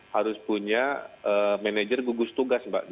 harus punya manajer gugus tugas mbak